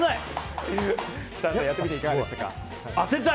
設楽さん、やってみていかがでした？